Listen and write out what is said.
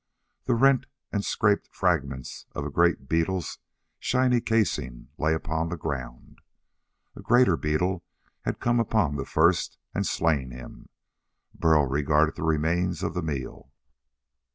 The rent and scraped fragments of a great beetle's shiny casing lay upon the ground. A greater beetle had come upon the first and slain him. Burl regarded the remains of the meal.